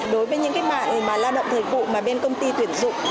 đối với những cái mạng mà lao động thời vụ mà bên công ty tuyển dụng